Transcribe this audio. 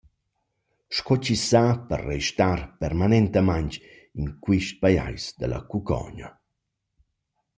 Sco chi’s sa per restar permanentamaing in quaist pajais da la cucagna.